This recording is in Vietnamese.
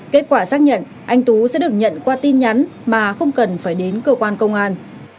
kết quả xác nhận anh tú sẽ được nhận qua tin nhắn mà không cần phải đến cơ quan công an